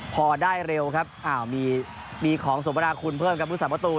พอได้เร็วครับอ้าวมีของสมบัติคุณเพิ่มครับผู้สามารถประตู